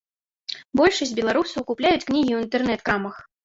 Большасць беларусаў купляюць кнігі ў інтэрнэт-крамах.